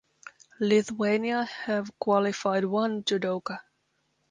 Lithuania have qualified one judoka.